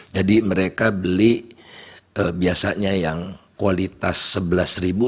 jadi mereka beli biasanya yang kualitas sebelas ribu